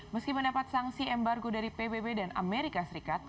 meski mendapat sanksi embargo dari pbb dan amerika serikat